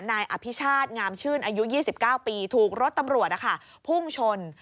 นายอภิชาติงามชื่นอายุ๒๙ปีถูกรถตำรวจพุ่งชน